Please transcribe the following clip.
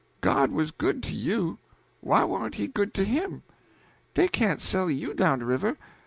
God was good to you; why warn't he good to him? Dey can't sell you down de river.